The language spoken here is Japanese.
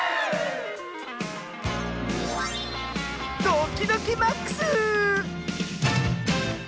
ドキドキマックス！